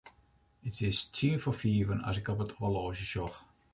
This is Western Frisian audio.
It is tsien foar fiven as ik op it horloazje sjoch.